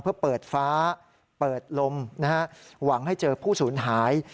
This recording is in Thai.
เพื่อเปิดฟ้าเปิดลมหวังให้เจอผู้ศูนย์หาย